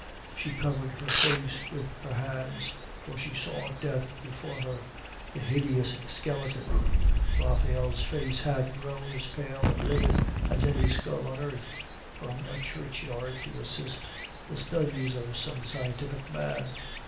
She covered her face with her hands, for she saw Death before her the hideous skeleton. Raphael's face had grown as pale and livid as any skull unearthed from a churchyard to assist the studies of some scientific man.